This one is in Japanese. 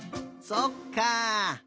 そっか。